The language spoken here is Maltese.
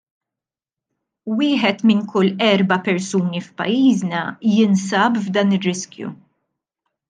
Wieħed minn kull erba' persuni f'pajjiżna jinsab f'dan ir-riskju!